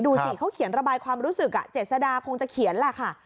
ดูสิเขาเขียนระบายความรู้สึกเจษดาคงจะเขียนแหละค่ะ